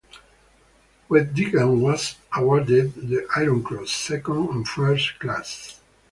Weddigen was awarded the Iron Cross, second and first class.